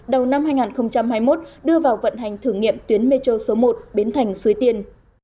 đầu năm hai nghìn hai mươi một đưa vào vận hành thử nghiệm tuyến metro số một biến thành suối tiên